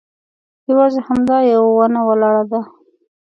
یوازې همدا یوه ونه ولاړه ده.